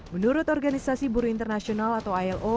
menurut organisasi buruh internasional atau ilo